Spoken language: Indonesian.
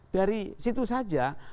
dari situ saja